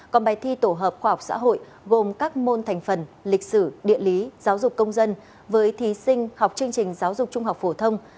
còn bài thi tổ hợp khoa học xã hội gồm các môn thành phần lịch sử địa lý giáo dục công dân với thí sinh học chương trình giáo dục trung học phổ thông